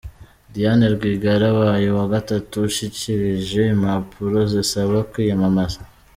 Diane Rwigara abaye uwa gatatu ushyikirije impapuro zisaba kwiyamamaza.